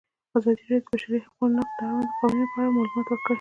ازادي راډیو د د بشري حقونو نقض د اړونده قوانینو په اړه معلومات ورکړي.